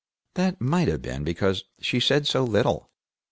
That might have been because she said so little.